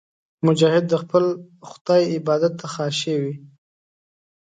مجاهد د خپل خدای عبادت ته خاشع وي.